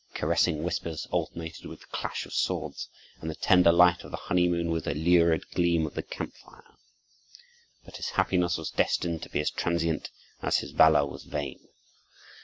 Caressing whispers alternated with the clash of swords, and the tender light of the honeymoon with the lurid gleam of the camp fire; but his happiness was destined to be as transient as his valor was vain.